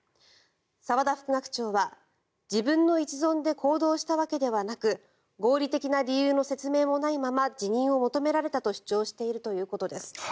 澤田副学長は自分の一存で行動したわけではなく合理的な理由の説明もないまま辞任を求められたと主張しているということです。